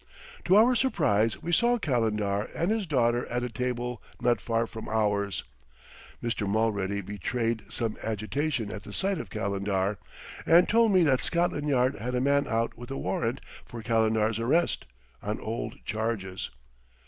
To our surprise we saw Calendar and his daughter at a table not far from ours. Mr. Mulready betrayed some agitation at the sight of Calendar, and told me that Scotland Yard had a man out with a warrant for Calendar's arrest, on old charges.